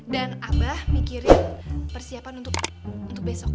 dan abah mikirin persiapan untuk besok